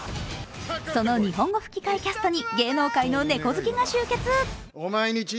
その日本語吹き替えキャストに芸能界の猫好きが集結。